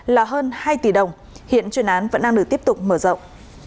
là hơn hai tỷ đồng hiện chuyên án vẫn đang được tiếp tục mở rộng